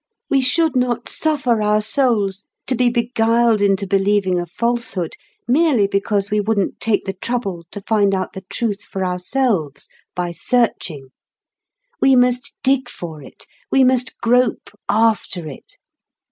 We should not suffer our souls to be beguiled into believing a falsehood merely because we wouldn't take the trouble to find out the Truth for ourselves by searching. We must dig for it; we must grope after it.